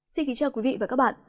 xin kính chào quý vị và các bạn